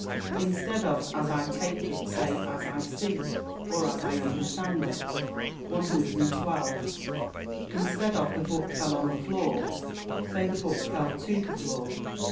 Instead of "As I take it," say "As I see," or, "As I under stand it." 112. Instead of "The book fell on the floor," say "The book fell to the floor."